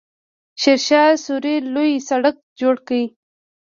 شیرشاه سوري لوی سړک جوړ کړ.